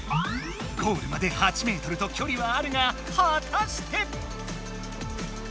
ゴールまで８ｍときょりはあるがはたして！